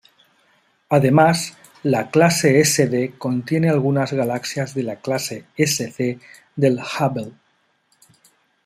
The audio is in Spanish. Además, la clase Sd contiene algunas galaxias de la clase Sc del Hubble.